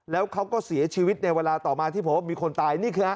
แล้วเขาก็เสียชีวิตในเวลาต่อมาที่พบมีคนตาย